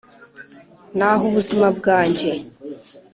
naha ubuzima bwanjye